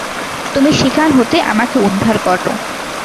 তুমি সেখান হতে আমাকে উদ্ধার করো।